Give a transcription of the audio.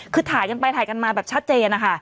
คือถ่ายกันไปถ่ายกันมาแบบชัดเจนนะคะ